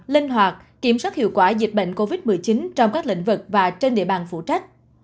linh hoạt kiểm soát hiệu quả dịch bệnh covid một mươi chín trong các lĩnh vực và trên địa bàn phụ trách